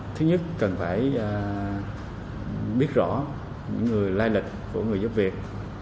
thứ nhất cần phải biết rõ những người lai lịch của người giúp việc